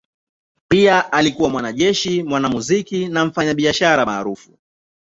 Pia alikuwa mwanajeshi, mwanamuziki na mfanyabiashara maarufu.